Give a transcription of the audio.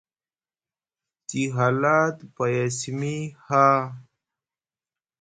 Te hala te paya simi haa.